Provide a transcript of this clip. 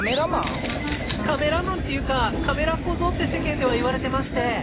カメラマンっていうかカメラ小僧って世間では言われてまして。